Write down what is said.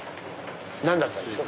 何だったんですか？